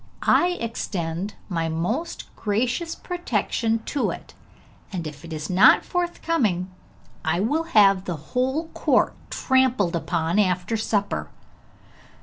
I extend my most gracious protection to it, and if it is not forthcoming, I will have the whole court trampled upon after supper!'